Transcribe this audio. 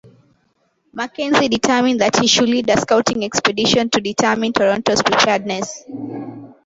Mackenzie determined that he should lead a scouting expedition to determine Toronto's preparedness.